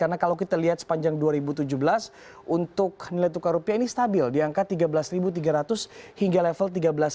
karena kalau kita lihat sepanjang dua ribu tujuh belas untuk nilai tukar rupiah ini stabil di angka tiga belas tiga ratus hingga level tiga belas empat ratus